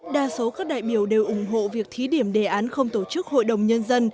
đa số các đại biểu đều ủng hộ việc thí điểm đề án không tổ chức hội đồng nhân dân